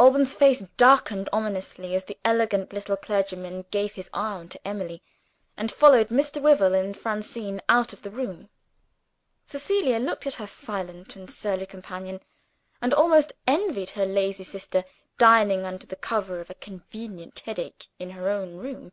Alban's face darkened ominously, as the elegant little clergyman gave his arm to Emily, and followed Mr. Wyvil and Francine out of the room. Cecilia looked at her silent and surly companion, and almost envied her lazy sister, dining under cover of a convenient headache in her own room.